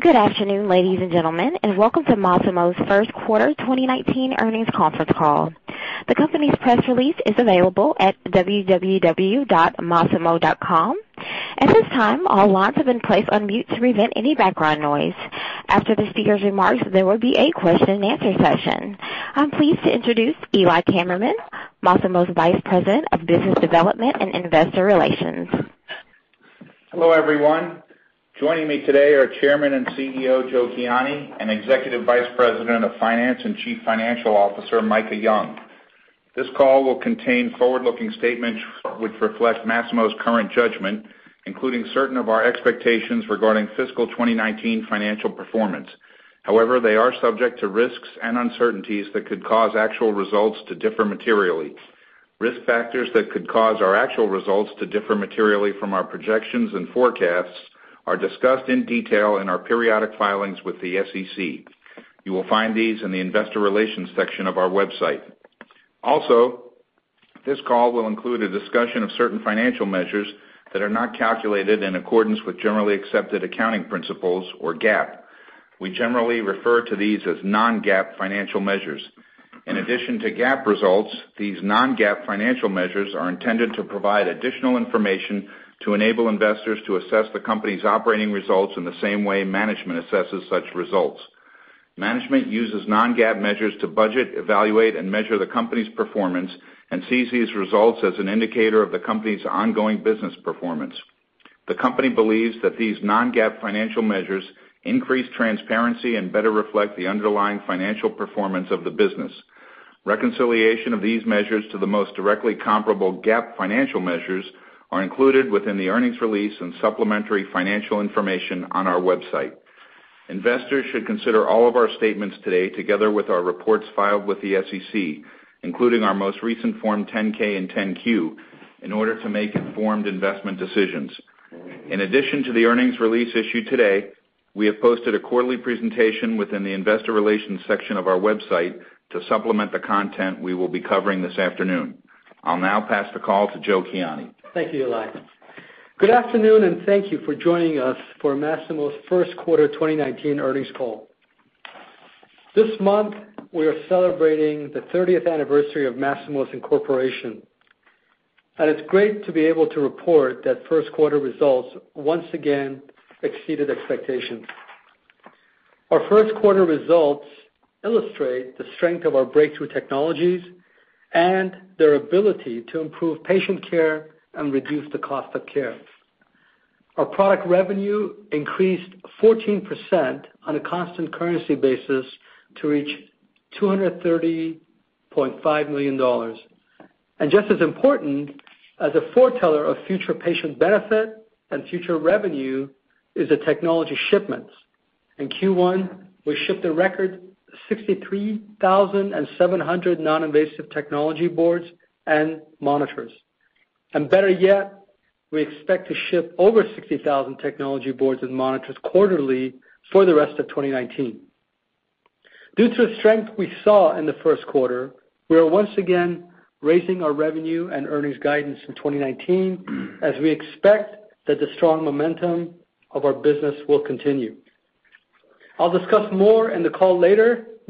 Good afternoon, ladies and gentlemen. Welcome to Masimo's first quarter 2019 earnings conference call. The company's press release is available at www.masimo.com. At this time, all lines have been placed on mute to prevent any background noise. After the speaker's remarks, there will be a question-and-answer session. I'm pleased to introduce Eli Kammerman, Masimo's Vice President of Business Development and Investor Relations. Hello, everyone. Joining me today are Chairman and CEO, Joe Kiani, and Executive Vice President of Finance and Chief Financial Officer, Micah Young. This call will contain forward-looking statements which reflect Masimo's current judgment, including certain of our expectations regarding fiscal 2019 financial performance. They are subject to risks and uncertainties that could cause actual results to differ materially. Risk factors that could cause our actual results to differ materially from our projections and forecasts are discussed in detail in our periodic filings with the SEC. You will find these in the investor relations section of our website. This call will include a discussion of certain financial measures that are not calculated in accordance with generally accepted accounting principles or GAAP. We generally refer to these as non-GAAP financial measures. In addition to GAAP results, these non-GAAP financial measures are intended to provide additional information to enable investors to assess the company's operating results in the same way management assesses such results. Management uses non-GAAP measures to budget, evaluate, and measure the company's performance and sees these results as an indicator of the company's ongoing business performance. The company believes that these non-GAAP financial measures increase transparency and better reflect the underlying financial performance of the business. Reconciliation of these measures to the most directly comparable GAAP financial measures are included within the earnings release and supplementary financial information on our website. Investors should consider all of our statements today, together with our reports filed with the SEC, including our most recent Form 10-K and 10-Q, in order to make informed investment decisions. In addition to the earnings release issued today, we have posted a quarterly presentation within the investor relations section of our website to supplement the content we will be covering this afternoon. I'll now pass the call to Joe Kiani. Thank you, Eli. Good afternoon, and thank you for joining us for Masimo's first quarter 2019 earnings call. This month, we are celebrating the 30th anniversary of Masimo's incorporation, and it's great to be able to report that first quarter results once again exceeded expectations. Our first quarter results illustrate the strength of our breakthrough technologies and their ability to improve patient care and reduce the cost of care. Our product revenue increased 14% on a constant currency basis to reach $230.5 million. And just as important as a foreteller of future patient benefit and future revenue is the technology shipments. In Q1, we shipped a record 63,700 non-invasive technology boards and monitors. And better yet, we expect to ship over 60,000 technology boards and monitors quarterly for the rest of 2019. Due to the strength we saw in the first quarter, we are once again raising our revenue and earnings guidance for 2019 as we expect that the strong momentum of our business will continue.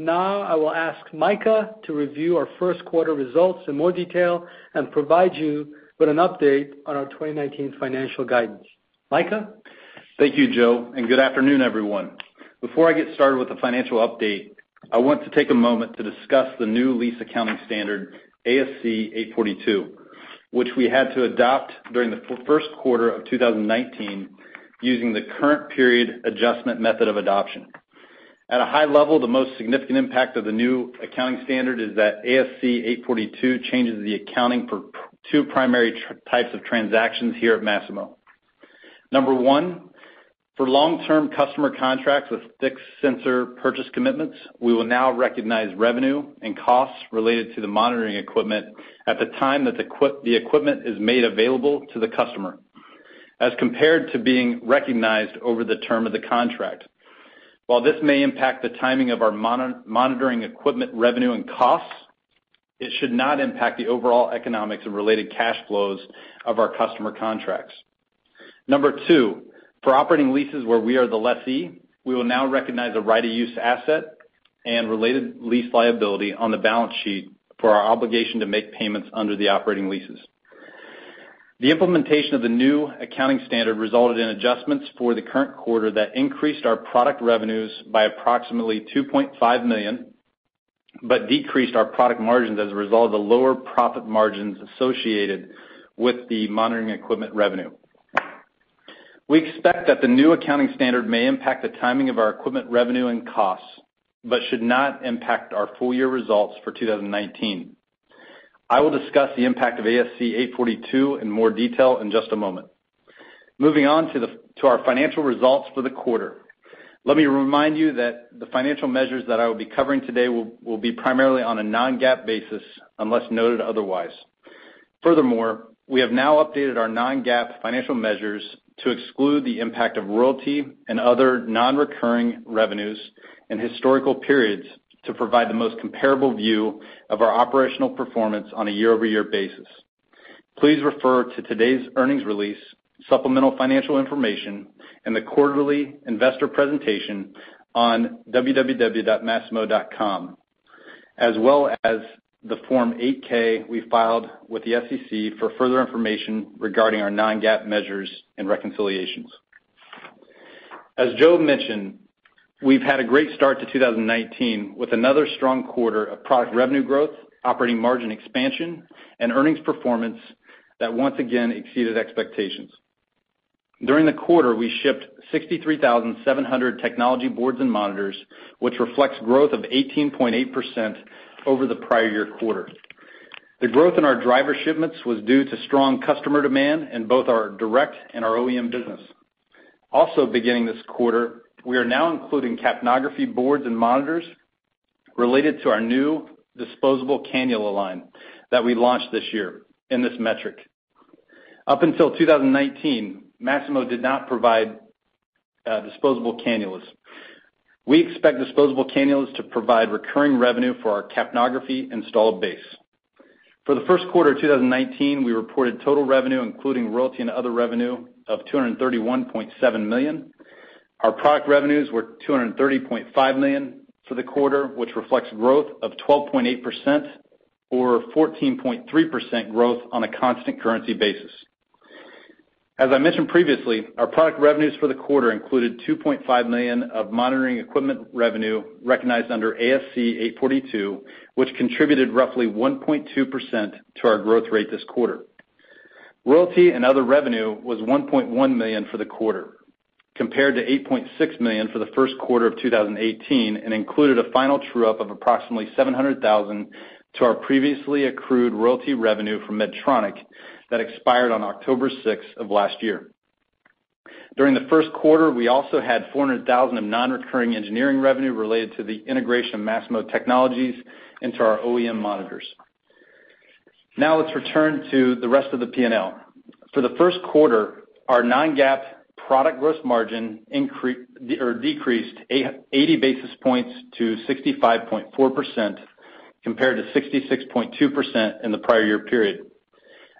Now, I will ask Micah to review our first quarter results in more detail and provide you with an update on our 2019 financial guidance. Micah? Thank you, Joe, and good afternoon, everyone. Before I get started with the financial update, I want to take a moment to discuss the new lease accounting standard, ASC 842, which we had to adopt during the first quarter of 2019 using the current period adjustment method of adoption. At a high level, the most significant impact of the new accounting standard is that ASC 842 changes the accounting for two primary types of transactions here at Masimo. Number one, for long-term customer contracts with fixed sensor purchase commitments, we will now recognize revenue and costs related to the monitoring equipment at the time that the equipment is made available to the customer, as compared to being recognized over the term of the contract. While this may impact the timing of our monitoring equipment revenue and costs, it should not impact the overall economics and related cash flows of our customer contracts. Number two, for operating leases where we are the lessee, we will now recognize a right of use asset and related lease liability on the balance sheet for our obligation to make payments under the operating leases. The implementation of the new accounting standard resulted in adjustments for the current quarter that increased our product revenues by approximately $2.5 million, but decreased our product margins as a result of the lower profit margins associated with the monitoring equipment revenue. We expect that the new accounting standard may impact the timing of our equipment revenue and costs but should not impact our full-year results for 2019. I will discuss the impact of ASC 842 in more detail in just a moment. Moving on to our financial results for the quarter. Let me remind you that the financial measures that I will be covering today will be primarily on a non-GAAP basis, unless noted otherwise. Furthermore, we have now updated our non-GAAP financial measures to exclude the impact of royalty and other non-recurring revenues in historical periods to provide the most comparable view of our operational performance on a year-over-year basis. Please refer to today's earnings release, supplemental financial information, and the quarterly investor presentation on www.masimo.com, as well as the Form 8-K we filed with the SEC for further information regarding our non-GAAP measures and reconciliations. As Joe mentioned, we've had a great start to 2019, with another strong quarter of product revenue growth, operating margin expansion, and earnings performance that once again exceeded expectations. During the quarter, we shipped 63,700 technology boards and monitors, which reflects growth of 18.8% over the prior year quarter. The growth in our driver shipments was due to strong customer demand in both our direct and our OEM business. Also, beginning this quarter, we are now including capnography boards and monitors related to our new disposable cannula line that we launched this year in this metric. Up until 2019, Masimo did not provide disposable cannulas. We expect disposable cannulas to provide recurring revenue for our capnography installed base. For the first quarter of 2019, we reported total revenue, including royalty and other revenue, of $231.7 million. Our product revenues were $230.5 million for the quarter, which reflects growth of 12.8%, or 14.3% growth on a constant currency basis. As I mentioned previously, our product revenues for the quarter included $2.5 million of monitoring equipment revenue recognized under ASC 842, which contributed roughly 1.2% to our growth rate this quarter. Royalty and other revenue was $1.1 million for the quarter, compared to $8.6 million for the first quarter of 2018, and included a final true-up of approximately $700,000 to our previously accrued royalty revenue from Medtronic that expired on October 6th of last year. During the first quarter, we also had $400,000 of non-recurring engineering revenue related to the integration of Masimo technologies into our OEM monitors. Let's return to the rest of the P&L. For the first quarter, our non-GAAP product gross margin decreased 80 basis points to 65.4%, compared to 66.2% in the prior year period.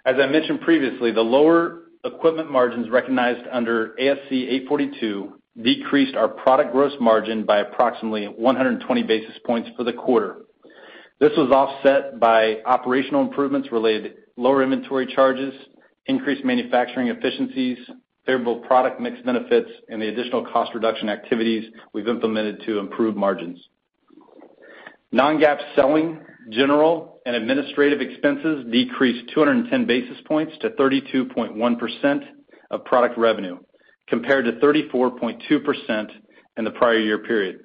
As I mentioned previously, the lower equipment margins recognized under ASC 842 decreased our product gross margin by approximately 120 basis points for the quarter. This was offset by operational improvements related to lower inventory charges, increased manufacturing efficiencies, favorable product mix benefits, and the additional cost reduction activities we've implemented to improve margins. Non-GAAP selling, general, and administrative expenses decreased 210 basis points to 32.1% of product revenue, compared to 34.2% in the prior year period.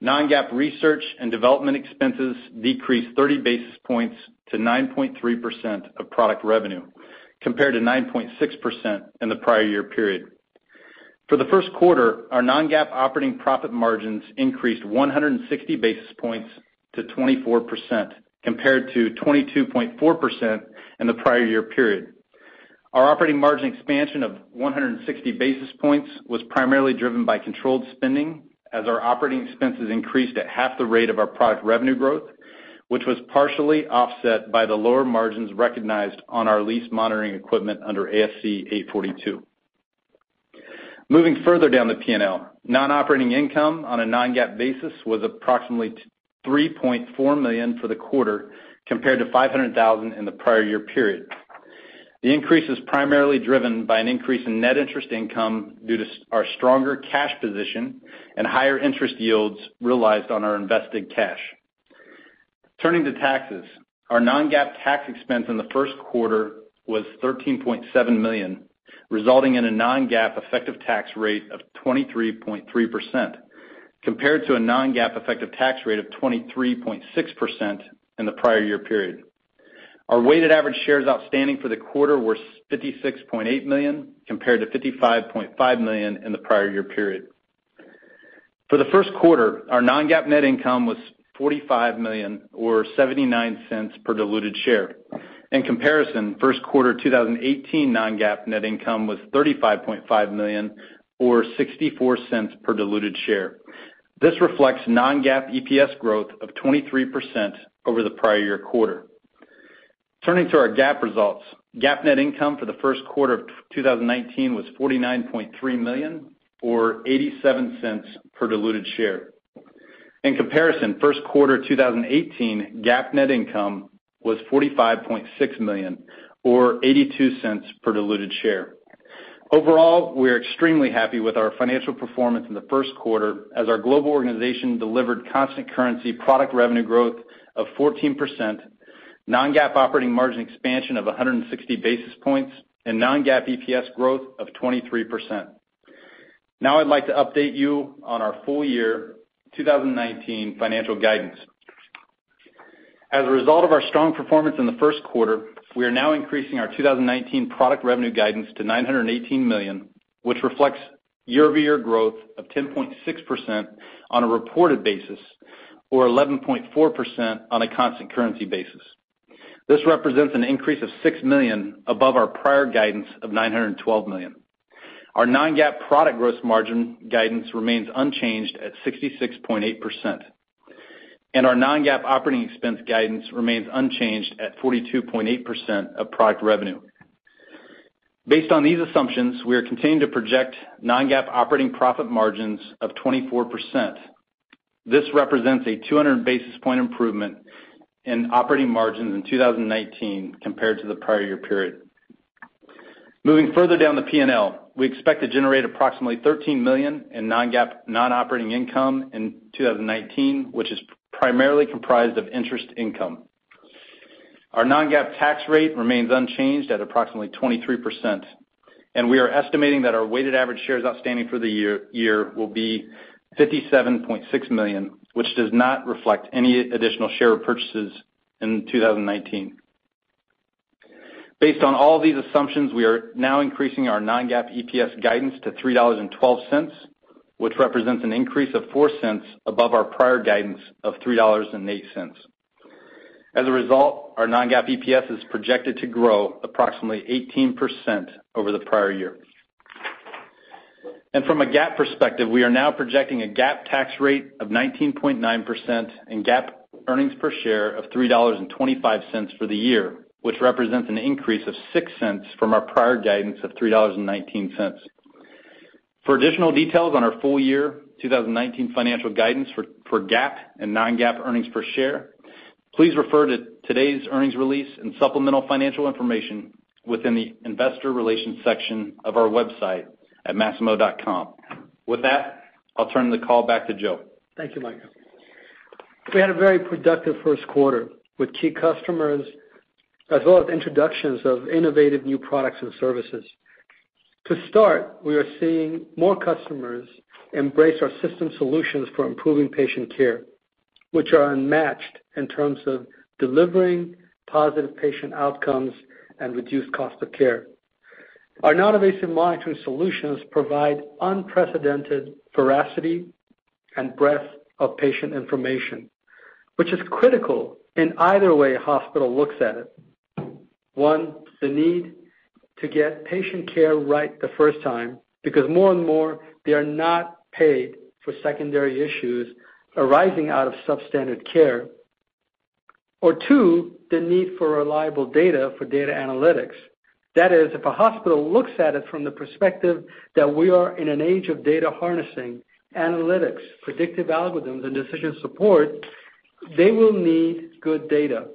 Non-GAAP R&D expenses decreased 30 basis points to 9.3% of product revenue, compared to 9.6% in the prior year period. For the first quarter, our non-GAAP operating profit margins increased 160 basis points to 24%, compared to 22.4% in the prior year period. Our operating margin expansion of 160 basis points was primarily driven by controlled spending, as our operating expenses increased at half the rate of our product revenue growth, which was partially offset by the lower margins recognized on our lease monitoring equipment under ASC 842. Moving further down the P&L, non-operating income on a non-GAAP basis was approximately $3.4 million for the quarter, compared to $500,000 in the prior year period. The increase is primarily driven by an increase in net interest income due to our stronger cash position and higher interest yields realized on our invested cash. Turning to taxes, our non-GAAP tax expense in the first quarter was $13.7 million, resulting in a non-GAAP effective tax rate of 23.3%, compared to a non-GAAP effective tax rate of 23.6% in the prior year period. Our weighted average shares outstanding for the quarter were 56.8 million, compared to 55.5 million in the prior year period. For the first quarter, our non-GAAP net income was $45 million, or $0.79 per diluted share. In comparison, first quarter 2018 non-GAAP net income was $35.5 million or $0.64 per diluted share. This reflects non-GAAP EPS growth of 23% over the prior year quarter. Turning to our GAAP results, GAAP net income for the first quarter of 2019 was $49.3 million or $0.87 per diluted share. In comparison, first quarter 2018 GAAP net income was $45.6 million or $0.82 per diluted share. Overall, we are extremely happy with our financial performance in the first quarter, as our global organization delivered constant currency product revenue growth of 14%, non-GAAP operating margin expansion of 160 basis points, and non-GAAP EPS growth of 23%. Now I'd like to update you on our full year 2019 financial guidance. As a result of our strong performance in the first quarter, we are now increasing our 2019 product revenue guidance to $918 million, which reflects year-over-year growth of 10.6% on a reported basis, or 11.4% on a constant currency basis. This represents an increase of $6 million above our prior guidance of $912 million. Our non-GAAP product gross margin guidance remains unchanged at 66.8%. Our non-GAAP operating expense guidance remains unchanged at 42.8% of product revenue. Based on these assumptions, we are continuing to project non-GAAP operating profit margins of 24%. This represents a 200 basis point improvement in operating margins in 2019 compared to the prior year period. Moving further down the P&L, we expect to generate approximately $13 million in non-GAAP non-operating income in 2019, which is primarily comprised of interest income. Our non-GAAP tax rate remains unchanged at approximately 23%, and we are estimating that our weighted average shares outstanding for the year will be 57.6 million, which does not reflect any additional share purchases in 2019. Based on all these assumptions, we are now increasing our non-GAAP EPS guidance to $3.12, which represents an increase of $0.04 above our prior guidance of $3.08. As a result, our non-GAAP EPS is projected to grow approximately 18% over the prior year. From a GAAP perspective, we are now projecting a GAAP tax rate of 19.9% and GAAP earnings per share of $3.25 for the year, which represents an increase of $0.06 from our prior guidance of $3.19. For additional details on our full year 2019 financial guidance for GAAP and non-GAAP earnings per share, please refer to today's earnings release and supplemental financial information within the investor relations section of our website at masimo.com. With that, I'll turn the call back to Joe. Thank you, Micah. We had a very productive 1st quarter with key customers, as well as introductions of innovative new products and services. To start, we are seeing more customers embrace our system solutions for improving patient care, which are unmatched in terms of delivering positive patient outcomes and reduced cost of care. Our non-invasive monitoring solutions provide unprecedented veracity and breadth of patient information, which is critical in either way a hospital looks at it. One, the need to get patient care right the first time, because more and more, they are not paid for secondary issues arising out of substandard care. Two, the need for reliable data for data analytics. That is, if a hospital looks at it from the perspective that we are in an age of data harnessing, analytics, predictive algorithms, and decision support, they will need good data.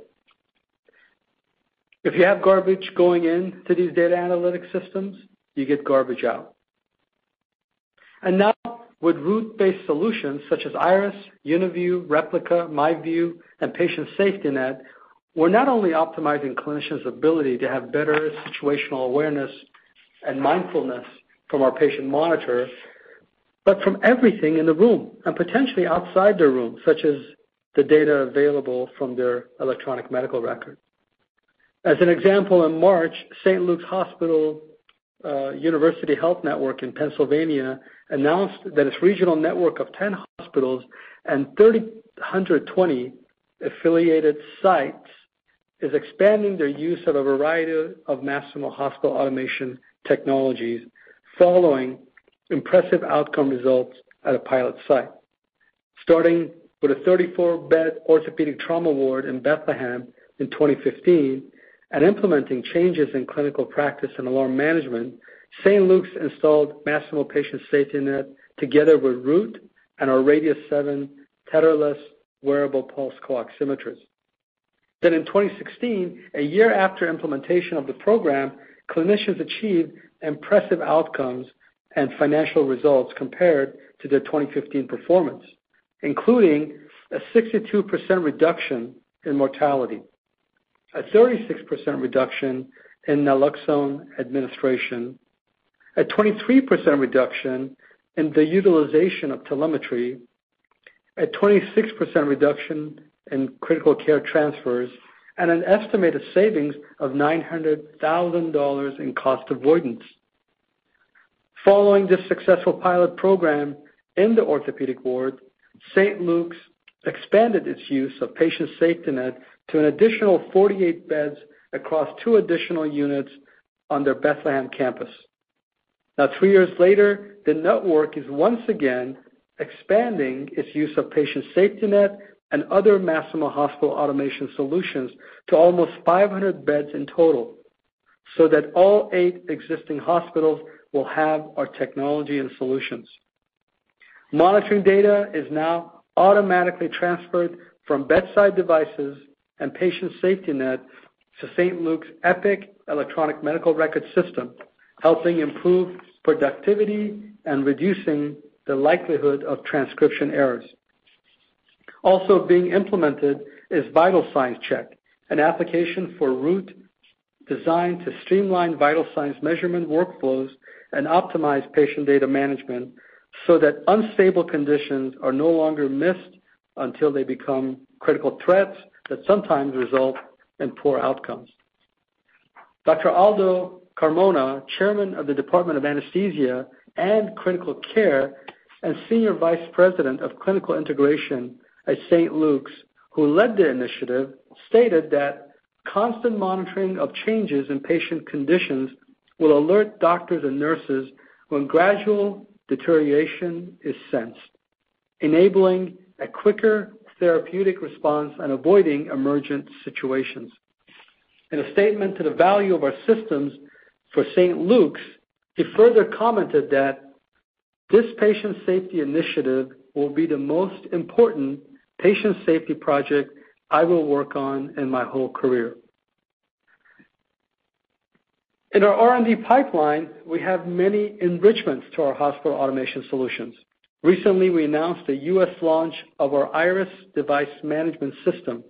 If you have garbage going into these data analytics systems, you get garbage out. With Root-based solutions such as Iris, UniView, Replica, MyView, and Patient SafetyNet, we're not only optimizing clinicians' ability to have better situational awareness and mindfulness from our patient monitor, but from everything in the room, and potentially outside their room, such as the data available from their electronic medical record. As an example, in March, St. Luke's University Health Network in Pennsylvania announced that its regional network of 10 hospitals and 320 affiliated sites is expanding their use of a variety of Masimo hospital automation technologies following impressive outcome results at a pilot site. Starting with a 34-bed orthopedic trauma ward in Bethlehem in 2015 and implementing changes in clinical practice and alarm management, St. Luke's installed Masimo Patient SafetyNet together with Root and our Radius-7 tetherless wearable pulse oximeters. In 2016, a year after implementation of the program, clinicians achieved impressive outcomes and financial results compared to their 2015 performance, including a 62% reduction in mortality, a 36% reduction in naloxone administration, a 23% reduction in the utilization of telemetry, a 26% reduction in critical care transfers, and an estimated savings of $900,000 in cost avoidance. Following this successful pilot program in the orthopedic ward, St. Luke's expanded its use of Patient SafetyNet to an additional 48 beds across two additional units on their Bethlehem campus. Three years later, the network is once again expanding its use of Patient SafetyNet and other Masimo hospital automation solutions to almost 500 beds in total, so that all eight existing hospitals will have our technology and solutions. Monitoring data is now automatically transferred from bedside devices and Patient SafetyNet to St. Luke's Epic electronic medical record system, helping improve productivity and reducing the likelihood of transcription errors. Also being implemented is Vital Signs Check, an application for Root designed to streamline vital signs measurement workflows and optimize patient data management so that unstable conditions are no longer missed until they become critical threats that sometimes result in poor outcomes. Dr. Aldo Carmona, Chairman of the Department of Anesthesia and Critical Care, and Senior Vice President of Clinical Integration at St. Luke's, who led the initiative, stated that, "Constant monitoring of changes in patient conditions will alert doctors and nurses when gradual deterioration is sensed, enabling a quicker therapeutic response and avoiding emergent situations. In a statement to the value of our systems for St. Luke's, he further commented that, "This patient safety initiative will be the most important patient safety project I will work on in my whole career." In our R&D pipeline, we have many enrichments to our hospital automation solutions. Recently, we announced the U.S. launch of our Iris Device Management System,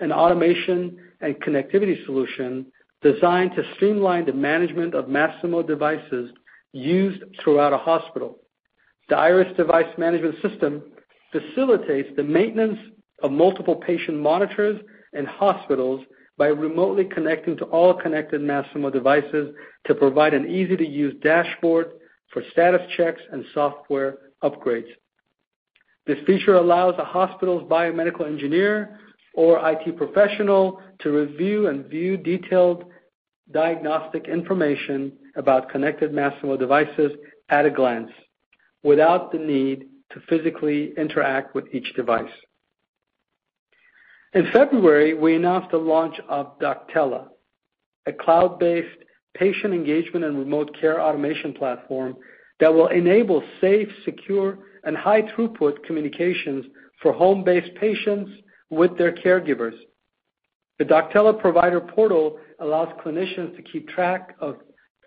an automation and connectivity solution designed to streamline the management of Masimo devices used throughout a hospital. The Iris Device Management System facilitates the maintenance of multiple patient monitors in hospitals by remotely connecting to all connected Masimo devices to provide an easy-to-use dashboard for status checks and software upgrades. This feature allows a hospital's biomedical engineer or IT professional to review and view detailed diagnostic information about connected Masimo devices at a glance, without the need to physically interact with each device. In February, we announced the launch of Doctella, a cloud-based patient engagement and remote care automation platform that will enable safe, secure, and high throughput communications for home-based patients with their caregivers. The Doctella provider portal allows clinicians to keep track of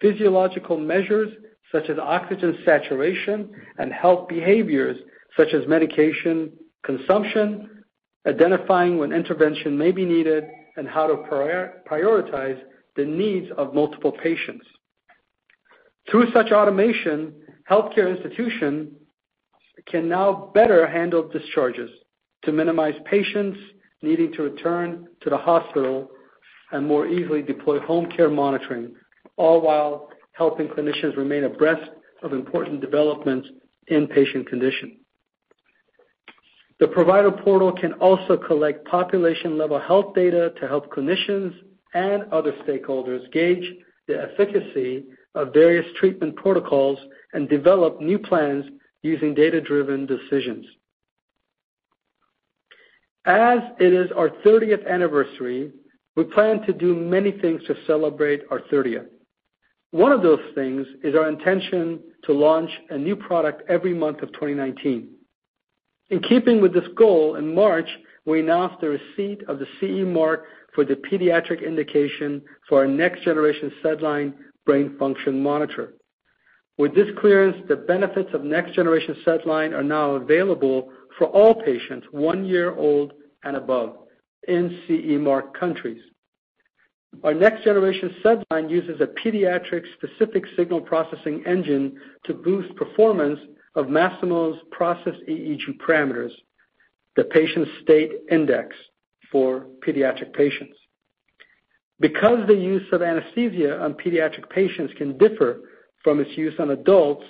physiological measures, such as oxygen saturation, and health behaviors, such as medication consumption, identifying when intervention may be needed, and how to prioritize the needs of multiple patients. Through such automation, healthcare institutions can now better handle discharges to minimize patients needing to return to the hospital and more easily deploy home care monitoring, all while helping clinicians remain abreast of important developments in patient condition. The provider portal can also collect population-level health data to help clinicians and other stakeholders gauge the efficacy of various treatment protocols and develop new plans using data-driven decisions. As it is our 30th anniversary, we plan to do many things to celebrate our 30th. One of those things is our intention to launch a new product every month of 2019. In keeping with this goal, in March, we announced the receipt of the CE mark for the pediatric indication for our next-generation SedLine brain function monitor. With this clearance, the benefits of next-generation SedLine are now available for all patients one year old and above in CE-mark countries. Our next-generation SedLine uses a pediatric-specific signal processing engine to boost performance of Masimo's processed EEG parameters, the Patient State Index for pediatric patients. Because the use of anesthesia on pediatric patients can differ from its use on adults,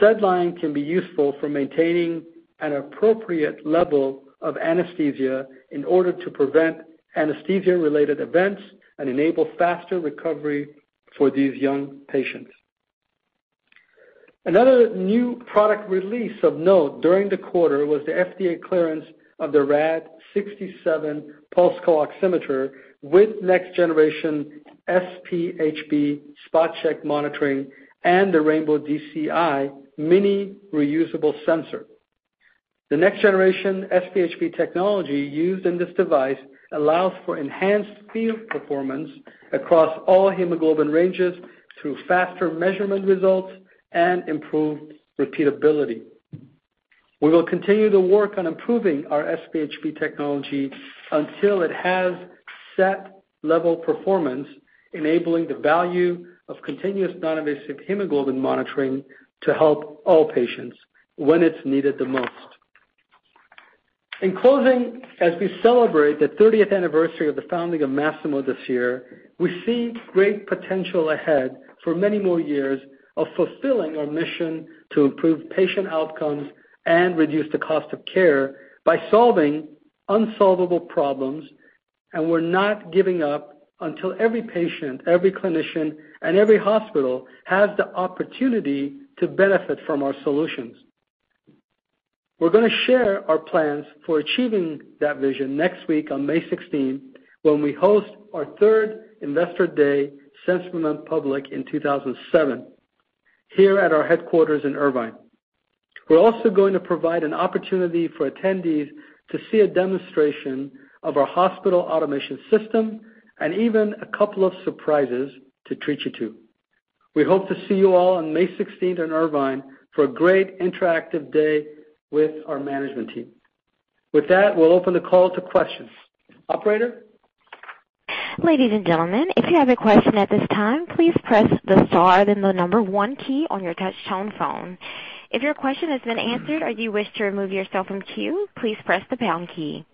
SedLine can be useful for maintaining an appropriate level of anesthesia in order to prevent anesthesia-related events and enable faster recovery for these young patients. Another new product release of note during the quarter was the FDA clearance of the Rad-67 pulse oximeter with next-generation SpHb spot-check monitoring and the rainbow DCI-mini reusable sensor. The next-generation SpHb technology used in this device allows for enhanced field performance across all hemoglobin ranges through faster measurement results and improved repeatability. We will continue to work on improving our SpHb technology until it has SET level performance, enabling the value of continuous non-invasive hemoglobin monitoring to help all patients when it's needed the most. In closing, as we celebrate the 30th anniversary of the founding of Masimo this year, we see great potential ahead for many more years of fulfilling our mission to improve patient outcomes and reduce the cost of care by solving unsolvable problems. We're not giving up until every patient, every clinician, and every hospital has the opportunity to benefit from our solutions. We're going to share our plans for achieving that vision next week on May 16th, when we host our third Investor Day since we went public in 2007 here at our headquarters in Irvine. We're also going to provide an opportunity for attendees to see a demonstration of our hospital automation system and even a couple of surprises to treat you to. We hope to see you all on May 16th in Irvine for a great interactive day with our management team. With that, we'll open the call to questions. Operator? Ladies and gentlemen, if you have a question at this time, please press the star, then the number one key on your touch-tone phone. If your question has been answered or you wish to remove yourself from queue, please press the pound key.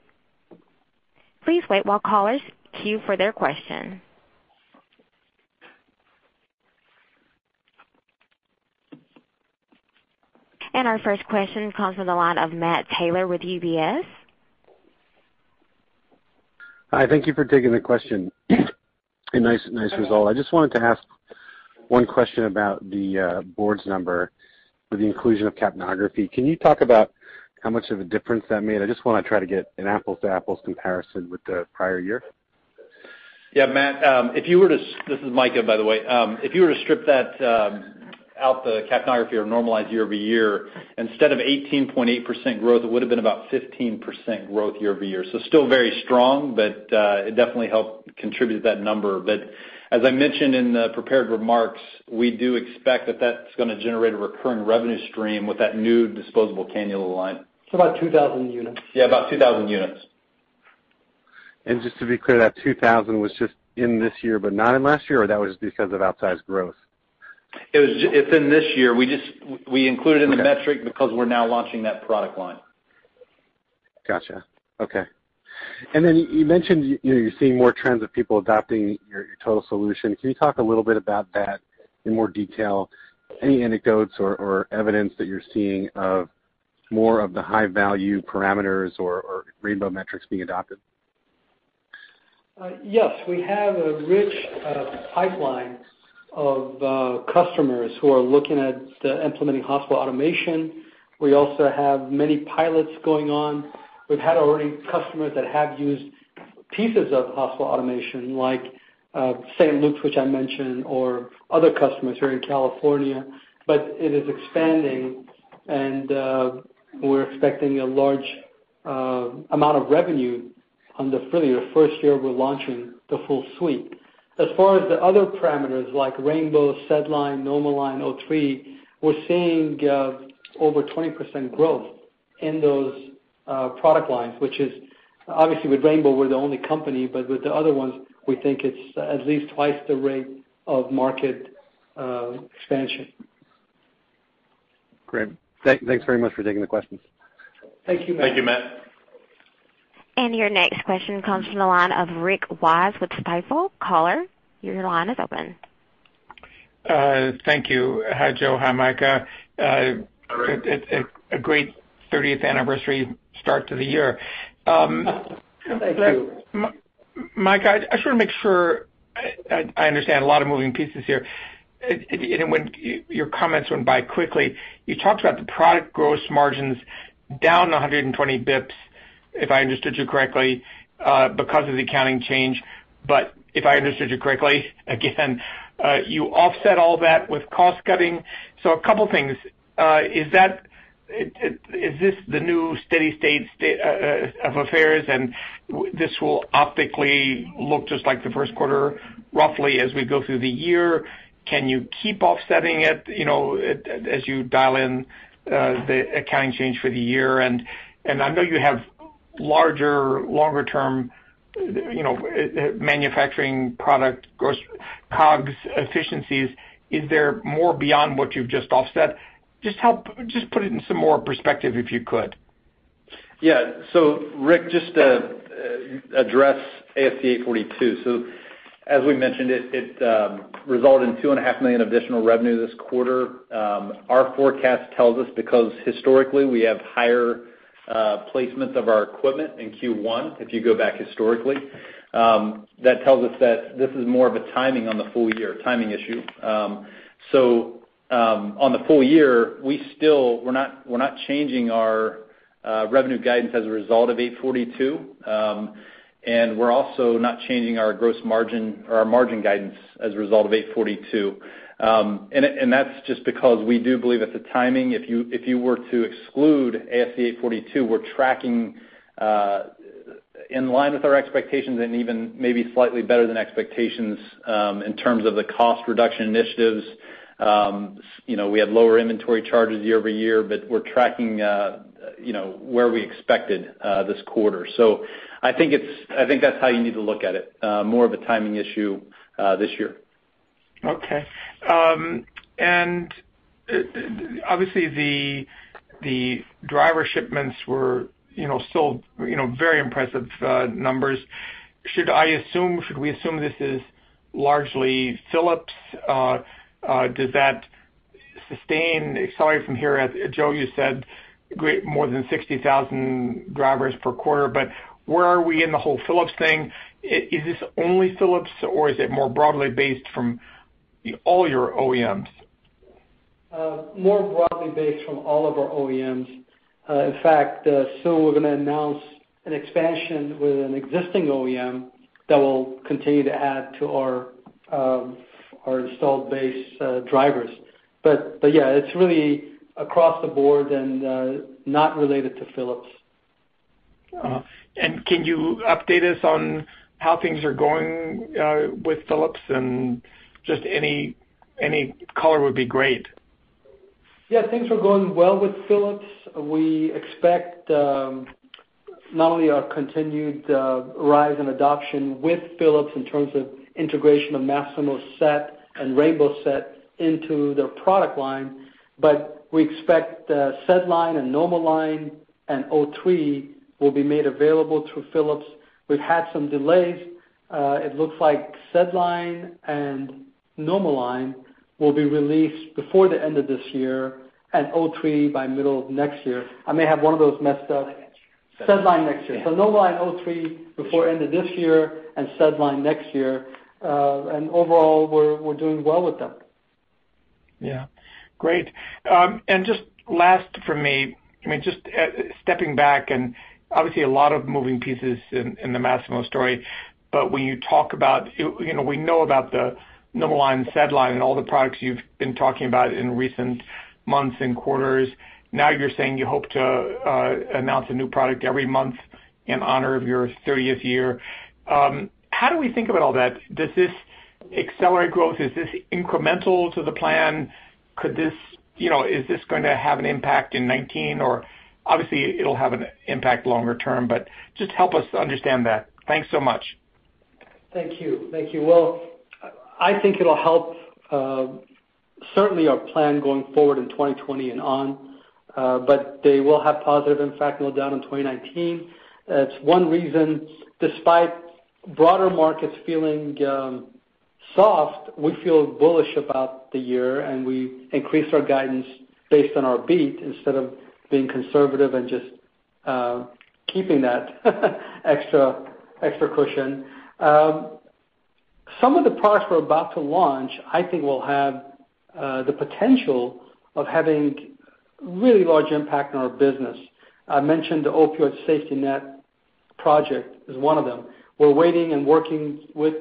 Please wait while callers queue for their question. Our first question comes from the line of Matt Taylor with UBS. Hi. Thank you for taking the question. A nice result. I just wanted to ask one question about the core number with the inclusion of capnography. Can you talk about how much of a difference that made? I just want to try to get an apples to apples comparison with the prior year. Yeah, Matt, this is Micah, by the way. If you were to strip that out, the capnography or normalize year-over-year, instead of 18.8% growth, it would've been about 15% growth year-over-year. Still very strong, but it definitely helped contribute to that number. As I mentioned in the prepared remarks, we do expect that that's going to generate a recurring revenue stream with that new disposable cannula line. It's about 2,000 units. Yeah, about 2,000 units. Just to be clear, that 2,000 was just in this year, but not in last year, or that was because of outsized growth? It's in this year. We included. Okay the metric because we're now launching that product line. Got you. Okay. You mentioned you're seeing more trends of people adopting your total solution. Can you talk a little bit about that in more detail? Any anecdotes or evidence that you're seeing of more of the high-value parameters or Rainbow metrics being adopted? Yes. We have a rich pipeline of customers who are looking at implementing hospital automation. We also have many pilots going on. We've had already customers that have used pieces of hospital automation, like St. Luke's, which I mentioned, or other customers here in California, but it is expanding and we're expecting a large amount of revenue for the first year we're launching the full suite. As far as the other parameters like Rainbow, SedLine, NomoLine, O3, we're seeing over 20% growth in those product lines, which is obviously with Rainbow, we're the only company, but with the other ones, we think it's at least twice the rate of market expansion. Great. Thanks very much for taking the questions. Thank you, Matt. Thank you, Matt. Your next question comes from the line of Rick Wise with Stifel. Caller, your line is open. Thank you. Hi, Joe. Hi, Micah. Hi, Rick. A great 30th anniversary start to the year. Thank you. Micah, I just want to make sure I understand, a lot of moving pieces here. When your comments went by quickly, you talked about the product gross margins down 120 basis points, if I understood you correctly, because of the accounting change. If I understood you correctly again, you offset all that with cost cutting. A couple things. Is this the new steady state of affairs and this will optically look just like the first quarter roughly as we go through the year? Can you keep offsetting it as you dial in the accounting change for the year? I know you have larger, longer term manufacturing product cost, COGS efficiencies. Is there more beyond what you've just offset? Just put it in some more perspective, if you could. Rick, just to address ASC 842. As we mentioned, it resulted in two and a half million additional revenue this quarter. Our forecast tells us because historically we have higher placements of our equipment in Q1, if you go back historically, that tells us that this is more of a timing on the full year, timing issue. On the full year, we're not changing our revenue guidance as a result of 842. We're also not changing our gross margin or our margin guidance as a result of 842. That's just because we do believe it's a timing. If you were to exclude ASC 842, we're tracking in line with our expectations and even maybe slightly better than expectations, in terms of the cost reduction initiatives. We had lower inventory charges year-over-year, but we're tracking where we expected this quarter. I think that's how you need to look at it, more of a timing issue this year. Okay. Obviously the driver shipments were still very impressive numbers. Should we assume this is largely Philips? Does that sustain, sorry, from here, as Joe, you said, great, more than 60,000 drivers per quarter, but where are we in the whole Philips thing? Is this only Philips or is it more broadly based from all your OEMs? More broadly based from all of our OEMs. In fact, soon we're going to announce an expansion with an existing OEM that will continue to add to our installed base drivers. Yeah, it's really across the board and not related to Philips. Can you update us on how things are going with Philips and just any color would be great. Yeah, things are going well with Philips. We expect not only a continued rise in adoption with Philips in terms of integration of Masimo SET and Rainbow SET into their product line, we expect SedLine and NomoLine and O3 will be made available through Philips. We've had some delays. It looks like SedLine and NomoLine will be released before the end of this year, and O3 by middle of next year. I may have one of those messed up. SedLine next year. SedLine next year. Yeah. NomoLine, O3 before end of this year, and SedLine next year. Overall, we're doing well with them. Yeah. Great. Just last from me, just stepping back and obviously a lot of moving pieces in the Masimo story, but when you talk about We know about the NomoLine, SedLine, and all the products you've been talking about in recent months and quarters. Now you're saying you hope to announce a new product every month in honor of your 30th year. How do we think about all that? Does this accelerate growth? Is this incremental to the plan? Is this going to have an impact in 2019? Obviously, it'll have an impact longer term, but just help us understand that. Thanks so much. Thank you. I think it'll help, certainly our plan going forward in 2020 and on, but they will have positive impact, no doubt, in 2019. It's one reason, despite broader markets feeling soft, we feel bullish about the year, and we increased our guidance based on our beat instead of being conservative and just keeping that extra cushion. Some of the products we're about to launch, I think will have the potential of having really large impact on our business. I mentioned the Opioid SafetyNet project is one of them. We're waiting and working with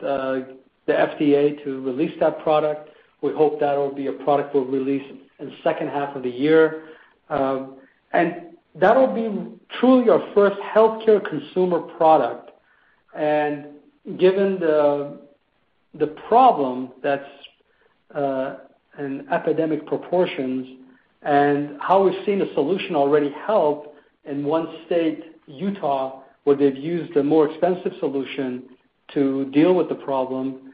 the FDA to release that product. We hope that'll be a product we'll release in the second half of the year. That'll be truly our first healthcare consumer product. Given the problem that's in epidemic proportions and how we've seen a solution already help in one state, Utah, where they've used a more expensive solution to deal with the problem,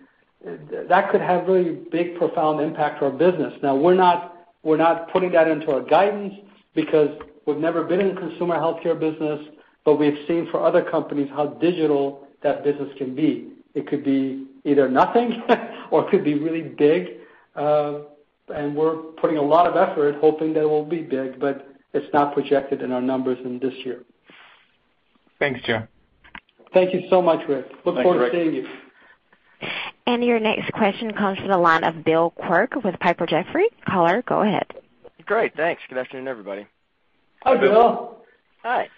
that could have really big, profound impact to our business. We're not putting that into our guidance because we've never been in consumer healthcare business, but we've seen for other companies how digital that business can be. It could be either nothing or it could be really big. We're putting a lot of effort hoping that it will be big, but it's not projected in our numbers in this year. Thanks, Joe. Thank you so much, Rick. Thanks, Rick. Look forward to seeing you. Your next question comes to the line of Bill Quirk with Piper Jaffray. Caller, go ahead. Great. Thanks. Good afternoon, everybody. Hi, Bill. Hi.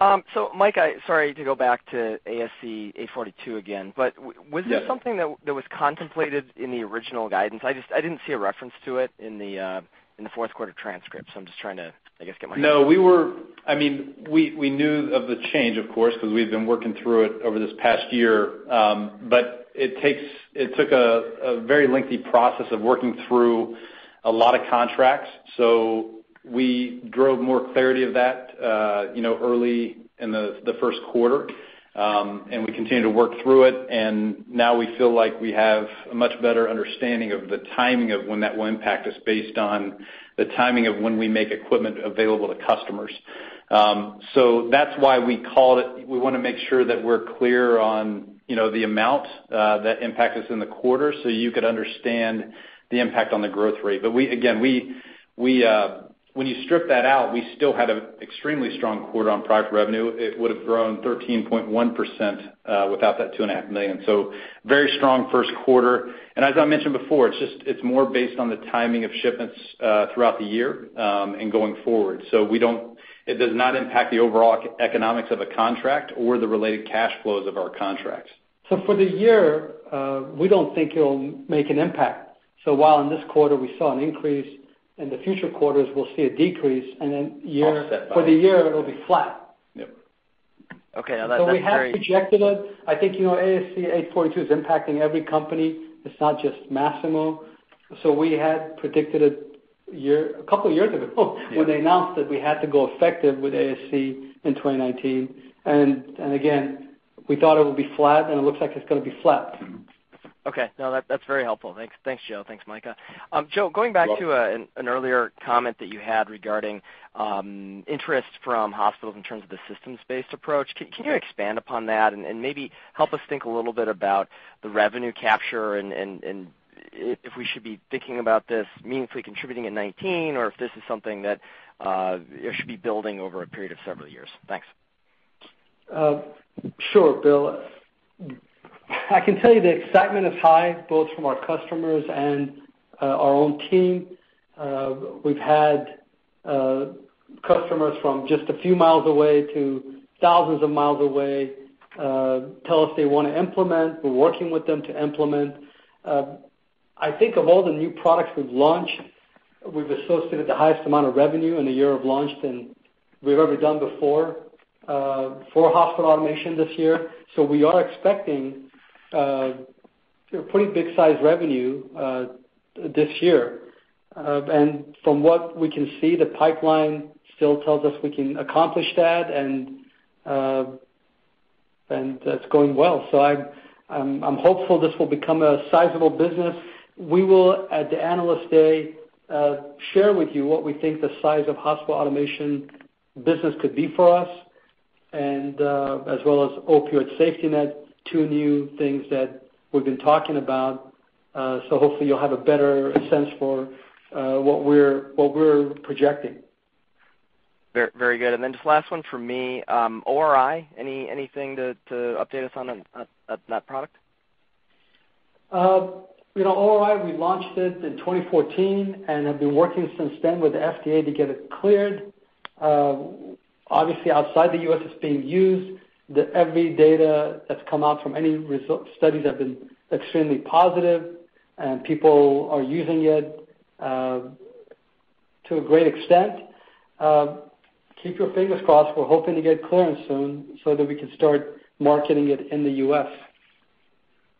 Micah, sorry to go back to ASC 842 again. Yeah Was this something that was contemplated in the original guidance? I didn't see a reference to it in the fourth quarter transcript. I'm just trying to, I guess. No. We knew of the change, of course, because we've been working through it over this past year. It took a very lengthy process of working through a lot of contracts. We drove more clarity of that early in the first quarter. We continue to work through it, and now we feel like we have a much better understanding of the timing of when that will impact us based on the timing of when we make equipment available to customers. That's why we called it We want to make sure that we're clear on the amount that impact us in the quarter, so you could understand the impact on the growth rate. Again, when you strip that out, we still had an extremely strong quarter on product revenue. It would've grown 13.1% without that two and a half million. Very strong first quarter. As I mentioned before, it's more based on the timing of shipments throughout the year, and going forward. It does not impact the overall economics of a contract or the related cash flows of our contracts. for the year, we don't think it'll make an impact. While in this quarter we saw an increase, in the future quarters we'll see a decrease, and then year- Offset by- for the year it'll be flat. Yep. Okay. that's very- We have projected it. I think ASC 842 is impacting every company. It's not just Masimo. We had predicted it a couple of years ago. Yeah When they announced that we had to go effective with ASC in 2019. Again, we thought it would be flat, and it looks like it's gonna be flat. Okay. No, that's very helpful. Thanks, Joe. Thanks, Mike. Joe. You're welcome. Going back to an earlier comment that you had regarding interest from hospitals in terms of the systems-based approach. Yeah. Can you expand upon that and maybe help us think a little bit about the revenue capture and if we should be thinking about this meaningfully contributing in 2019, or if this is something that should be building over a period of several years. Thanks. Sure, Bill. I can tell you the excitement is high, both from our customers and our own team. We've had customers from just a few miles away to thousands of miles away tell us they want to implement. We're working with them to implement. I think of all the new products we've launched, we've associated the highest amount of revenue in the year of launch than we've ever done before for hospital automation this year. We are expecting a pretty big size revenue this year. From what we can see, the pipeline still tells us we can accomplish that and that it's going well. I'm hopeful this will become a sizable business. We will, at the Analyst Day, share with you what we think the size of hospital automation business could be for us, as well as Opioid SafetyNet, two new things that we've been talking about. Hopefully you'll have a better sense for what we're projecting. Very good. Just last one from me. ORI, anything to update us on that product? ORI, we launched it in 2014 and have been working since then with the FDA to get it cleared. Obviously outside the U.S. it's being used. Every data that's come out from any result studies have been extremely positive, and people are using it, to a great extent. Keep your fingers crossed. We're hoping to get clearance soon so that we can start marketing it in the U.S.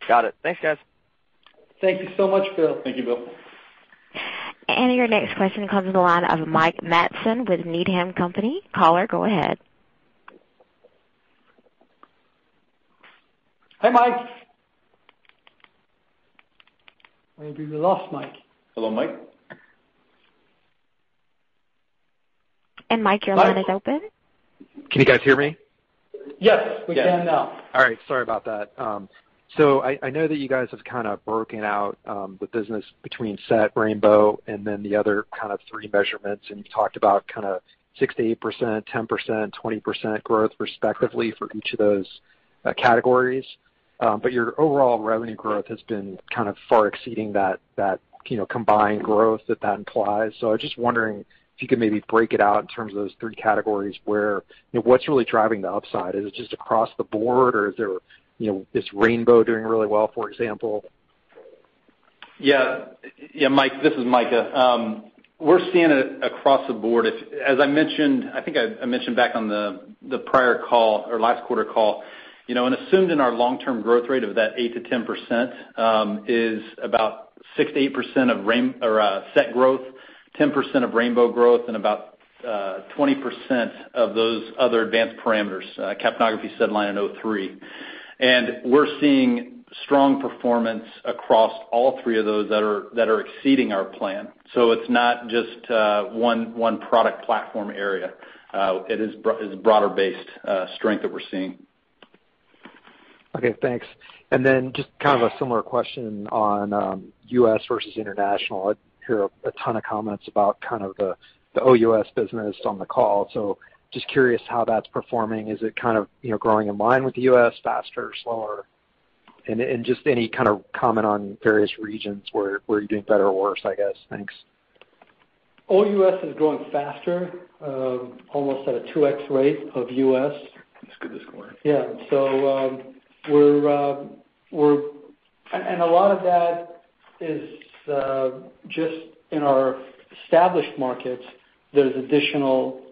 Got it. Thanks, guys. Thank you so much, Bill. Thank you, Bill. Your next question comes from the line of Mike Matson with Needham & Company. Caller, go ahead. Hey, Mike. Maybe we lost Mike. Hello, Mike. Mike, your line is open. Can you guys hear me? Yes, we can now. All right. Sorry about that. I know that you guys have kind of broken out the business between SET, Rainbow, and then the other kind of three measurements, and you've talked about kind of 6%-8%, 10%, 20% growth, respectively for each of those categories. Your overall revenue growth has been kind of far exceeding that combined growth that that implies. I was just wondering if you could maybe break it out in terms of those three categories where what's really driving the upside? Is it just across the board or is there Rainbow doing really well, for example? Yeah. Yeah, Mike, this is Micah. We're seeing it across the board. As I mentioned, I think I mentioned back on the prior call or last quarter call, an assumed in our long-term growth rate of that 8%-10% is about 6%-8% of SET growth, 10% of Rainbow growth, and about 20% of those other advanced parameters, capnography, SedLine, and O3. We're seeing strong performance across all three of those that are exceeding our plan. It's not just one product platform area. It is broader-based strength that we're seeing. Okay, thanks. Just kind of a similar question on U.S. versus international. I hear a ton of comments about kind of the OUS business on the call, just curious how that's performing. Is it kind of growing in line with the U.S., faster or slower? Just any kind of comment on various regions where you're doing better or worse, I guess. Thanks. OUS is growing faster, almost at a 2x rate of U.S. That's good. That's great. Yeah. A lot of that is just in our established markets. There's additional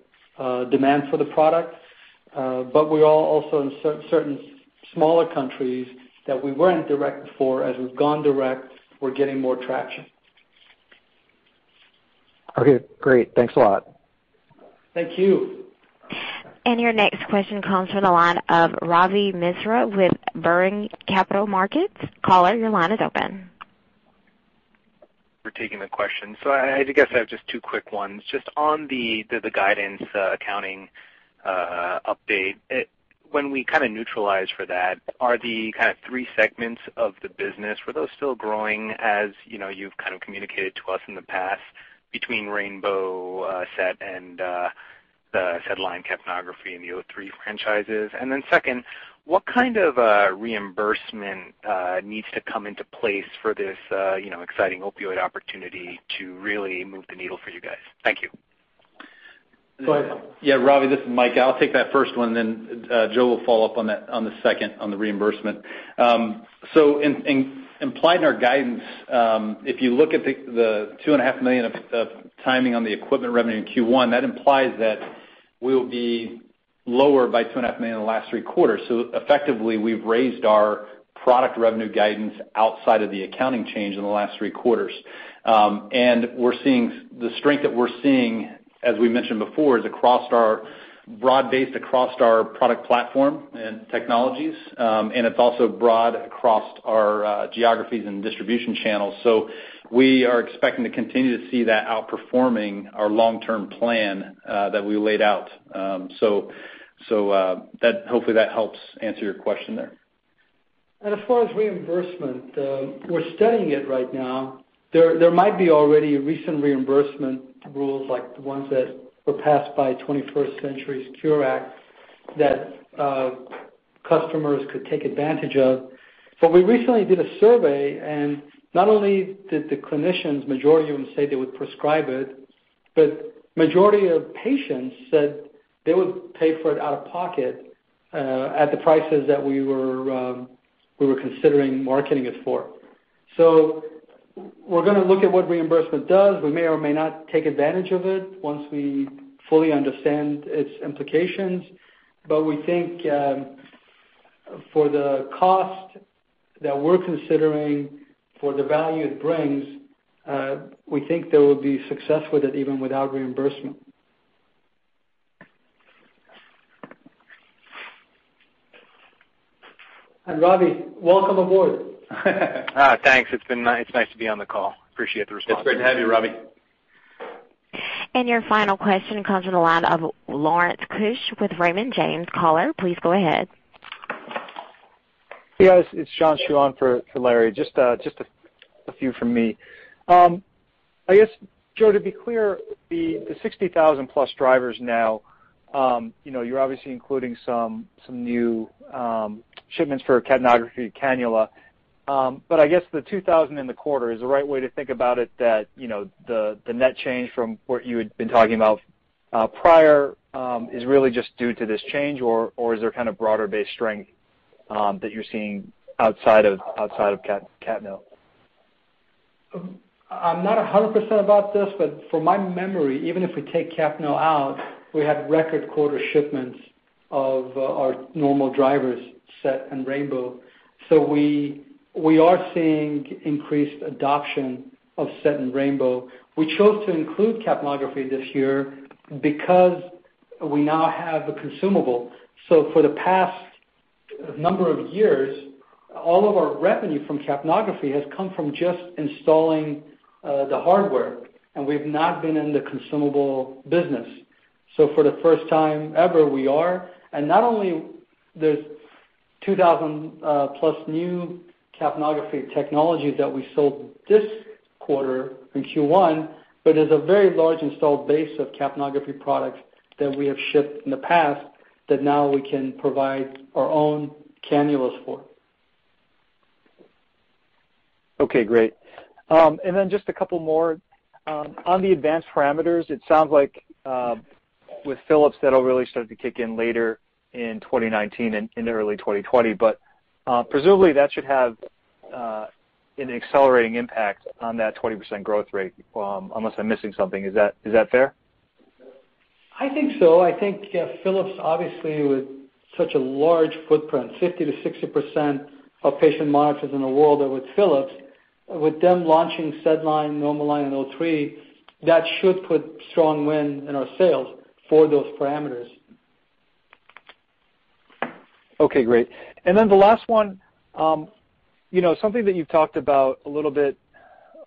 demand for the product. We're also in certain smaller countries that we weren't direct before. As we've gone direct, we're getting more traction. Okay, great. Thanks a lot. Thank you. Your next question comes from the line of Ravi Misra with Berenberg Capital Markets. Caller, your line is open. For taking the question. I guess I have just two quick ones. Just on the guidance accounting update. When we kind of neutralize for that, are the kind of three segments of the business, were those still growing as you've kind of communicated to us in the past between Rainbow, SET, and the SedLine capnography and the O3 franchises? Second, what kind of reimbursement needs to come into place for this exciting opioid opportunity to really move the needle for you guys? Thank you. Go ahead. Ravi, this is Mike. I'll take that first one then Joe will follow up on the second, on the reimbursement. Implied in our guidance, if you look at the $2.5 million of timing on the equipment revenue in Q1, that implies that we'll be lower by $2.5 million in the last three quarters. The strength that we're seeing, as we mentioned before, is broad-based across our product platform and technologies. It's also broad across our geographies and distribution channels. We are expecting to continue to see that outperforming our long-term plan that we laid out. Hopefully that helps answer your question there. As far as reimbursement, we're studying it right now. There might be already recent reimbursement rules like the ones that were passed by 21st Century Cures Act that customers could take advantage of. We recently did a survey, and not only did the clinicians, majority of them say they would prescribe it, but majority of patients said they would pay for it out of pocket at the prices that we were considering marketing it for. We're going to look at what reimbursement does. We may or may not take advantage of it once we fully understand its implications. We think for the cost that we're considering for the value it brings, we think that we'll be successful with it even without reimbursement. Ravi, welcome aboard. Thanks. It's nice to be on the call. Appreciate the response. It's great to have you, Robbie. Your final question comes from the line of Lawrence Keusch with Raymond James. Caller, please go ahead. Hey, guys. It's John Hsu for Larry. Just a few from me. I guess, Joe, to be clear, the 60,000-plus drivers now, you're obviously including some new shipments for capnography cannula. I guess the 2,000 in the quarter is the right way to think about it, that the net change from what you had been talking about prior is really just due to this change, or is there kind of broader-based strength that you're seeing outside of capno? I'm not 100% about this, from my memory, even if we take capno out, we had record quarter shipments of our normal drivers, SET and Rainbow. We are seeing increased adoption of SET and Rainbow. We chose to include capnography this year because we now have a consumable. For the past number of years, all of our revenue from capnography has come from just installing the hardware, and we've not been in the consumable business. For the first time ever, we are. Not only there's 2,000-plus new capnography technology that we sold this quarter in Q1, but there's a very large installed base of capnography products that we have shipped in the past that now we can provide our own cannulas for. Okay, great. Just a couple more. On the advanced parameters, it sounds like with Philips, that'll really start to kick in later in 2019 and in early 2020, presumably, that should have an accelerating impact on that 20% growth rate, unless I'm missing something. Is that fair? I think so. I think, yeah, Philips obviously, with such a large footprint, 50% to 60% of patient monitors in the world are with Philips. With them launching SedLine, NomoLine, and O3, that should put strong wind in our sails for those parameters. Okay, great. The last one. Something that you've talked about a little bit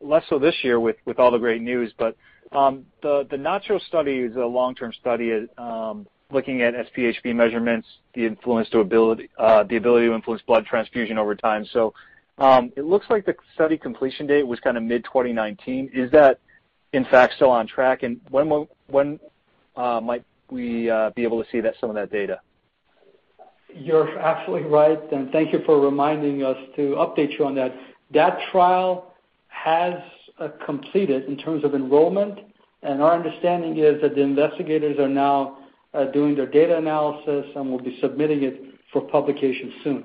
less so this year with all the great news, the natural study is a long-term study looking at SpHb measurements, the ability to influence blood transfusion over time. It looks like the study completion date was mid-2019. Is that in fact still on track? When might we be able to see some of that data? You're absolutely right, thank you for reminding us to update you on that. That trial has completed in terms of enrollment, our understanding is that the investigators are now doing their data analysis, will be submitting it for publication soon.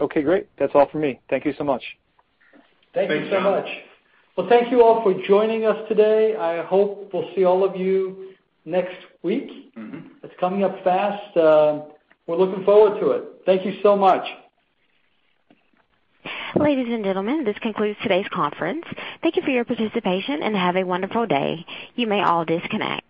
Okay, great. That's all for me. Thank you so much. Thank you so much. Thank you all for joining us today. I hope we'll see all of you next week. It's coming up fast. We're looking forward to it. Thank you so much. Ladies and gentlemen, this concludes today's conference. Thank you for your participation, and have a wonderful day. You may all disconnect.